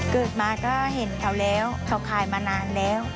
เกิดมาก็เห็นเขาแล้วเขาขายมานานแล้ว